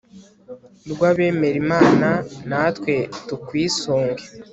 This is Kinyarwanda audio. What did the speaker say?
rw'abemera imana, natwe tukwisunge